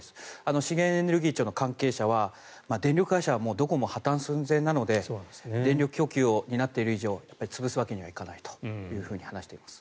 資源エネルギー庁の関係者は電力会社はどこも破たん寸前なので電力供給を担っている以上潰すわけにはいかないと話しています。